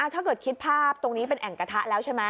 ถ้าเกิดคิดภาพตรงนี้เป็นแอ่งกระทะแล้วใช่ไหม